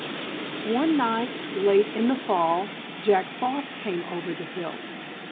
One night, late in the fall, Jack Frost came over the hill.